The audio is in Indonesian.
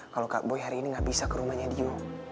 kalo kaboy hari ini gak bisa ke rumahnya dio